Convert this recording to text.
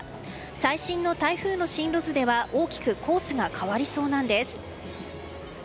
最新の台風の進路図では、大きくコースが変わりそうなんです。